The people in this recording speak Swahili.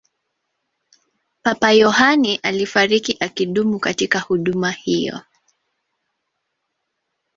papa yohane alifariki akidumu katika huduma hiyo